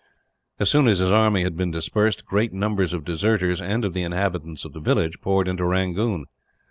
As soon as his army had been dispersed, great numbers of deserters, and of the inhabitants of the villages, poured into Rangoon.